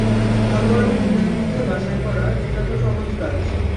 ভাল আর মন্দের মধ্যে বাছাই করা, এটা তো সহজ কাজ।